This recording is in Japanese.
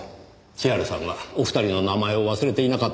千原さんはお二人の名前を忘れていなかったようですねぇ。